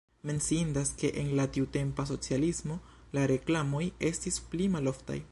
Menciindas, ke en la tiutempa socialismo la reklamoj estis pli maloftaj.